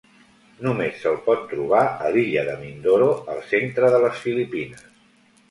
Només se'l pot trobar a l'illa de Mindoro, al centre de les Filipines.